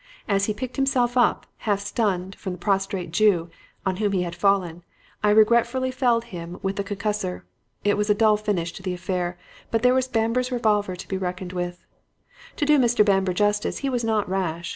As he picked himself up, half stunned, from the prostrate Jew, on whom he had fallen, I regretfully felled him with the concussor. It was a dull finish to the affair, but there was Bamber's revolver to be reckoned with. "To do Mr. Bamber justice, he was not rash.